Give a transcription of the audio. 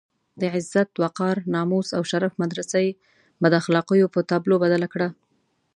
د عزت، وقار، ناموس او شرف مدرسه یې بد اخلاقيو په تابلو بدله کړه.